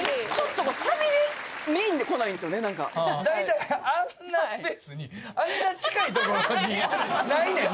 大体あんなスペースにあんな近いところにないねん。